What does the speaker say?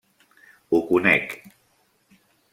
Ho conec.